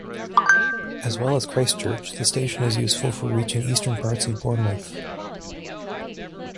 As well as Christchurch, the station is useful for reaching eastern parts of Bournemouth.